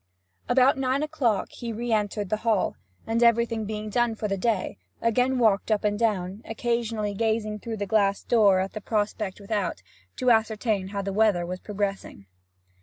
About nine o'clock he re entered the hall, and, everything being done for the day, again walked up and down, occasionally gazing through the glass door at the prospect without, to ascertain how the weather was progressing.